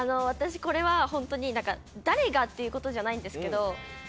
私これはホントに誰がっていうことじゃないんですけど。